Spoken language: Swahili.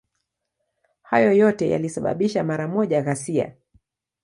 Hayo yote yalisababisha mara moja ghasia.